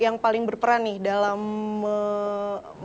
yang paling berperan nih dalam mengembangkan